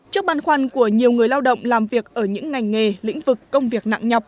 trước băn khoăn của nhiều người lao động làm việc ở những ngành nghề lĩnh vực công việc nặng nhọc